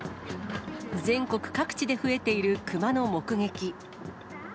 全国各地で増えている熊の目撃。